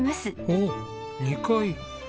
おっ２階？